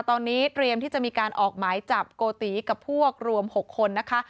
ตอนนี้เตรียมที่จะมีการออกหมายจับโกติกับพวกรวม๖คนนะคะ